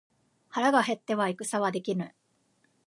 腹が減っては戦はできぬ。